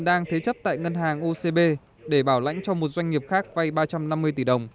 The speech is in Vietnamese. đang thế chấp tại ngân hàng ocb để bảo lãnh cho một doanh nghiệp khác vay ba trăm năm mươi tỷ đồng